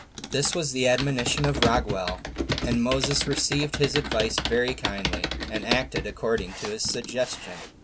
2. This was the admonition of Raguel; and Moses received his advice very kindly, and acted according to his suggestion.